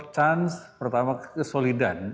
chance pertama kesolidan